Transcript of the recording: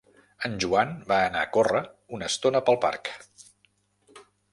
En Joan va anar a córrer una estona pel parc.